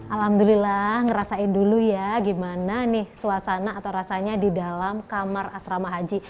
alhamdulillah ngerasain dulu ya gimana nih suasana atau rasanya di dalam kamar asrama haji